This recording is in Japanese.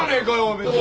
別に。